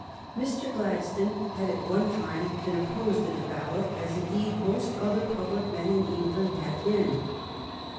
Mr. Gladstone had at one time been opposed to the ballot, as, indeed, most other public men in England had been.